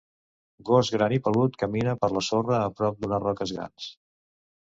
Gos gran i pelut camina per la sorra a prop d'unes roques grans.